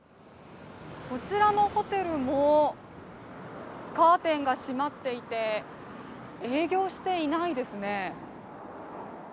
こちらのホテルも、カーテンが閉まっていて営業していないですね。